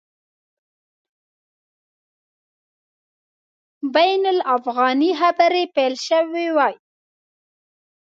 بین الافغاني خبري پیل سوي وای.